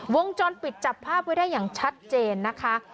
วงจรปิดจับภาพไว้ได้อย่างชัดเจนนะคะ